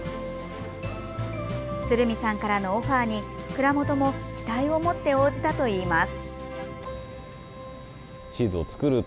鶴見さんからのオファーに蔵元も期待を持って応じたといいます。